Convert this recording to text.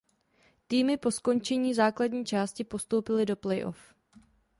Týmy po skončení základní části postoupily do playoff.